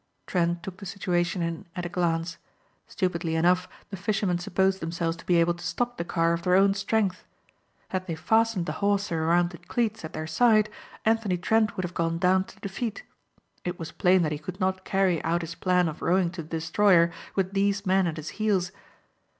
Trent took the situation in at a glance. Stupidly enough the fishermen supposed themselves to be able to stop the car of their own strength. Had they fastened the hawser around the cleats at their side Anthony Trent would have gone down to defeat. It was plain that he could not carry out his plan of rowing to the destroyer with these men at his heels.